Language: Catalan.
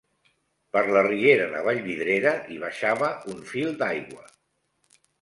Per la riera de Vallvidrera hi baixava un fil d'aigua.